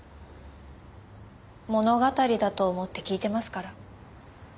物語だと思って聞いてますから。